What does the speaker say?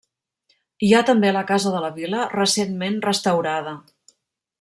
Hi ha també la Casa de la Vila, recentment restaurada.